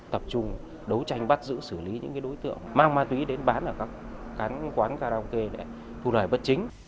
tập trung đấu tranh bắt giữ xử lý những đối tượng mang ma túy đến bán ở các quán karaoke để thu lời bất chính